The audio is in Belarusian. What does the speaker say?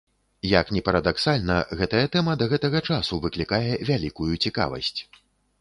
Як ні парадаксальна, гэтая тэма да гэтага часу выклікае вялікую цікавасць.